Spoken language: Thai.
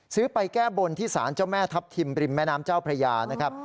ไปแก้บนที่สารเจ้าแม่ทัพทิมริมแม่น้ำเจ้าพระยานะครับ